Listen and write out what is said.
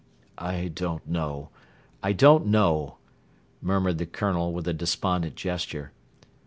"I don't know; I don't know!" murmured the Colonel with a despondent gesture.